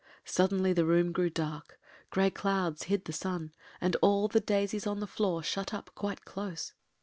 Suddenly the room grew dark, grey clouds hid the sun, and all the daisies on the floor shut up quite close.